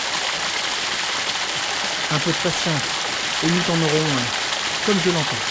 Un peu de patience, et nous t’en aurons un… comme je l’entends.